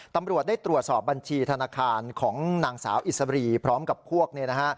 ตำรวจได้ตรวจสอบบัญชีธนาคารของนางสาวอิสรีพร้อมกับพวกเนี่ยนะฮะ